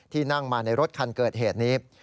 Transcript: นั่งมาในรถคันเกิดเหตุนี้